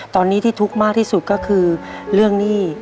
ตอนนี้ที่ทุกข์มากที่สุดก็คือเรื่องหนี้